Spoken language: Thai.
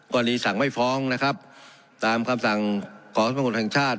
ก่อนนี้สั่งไม่ฟ้องนะครับตามคำสั่งของสำนักการณ์ตรวจแห่งชาติ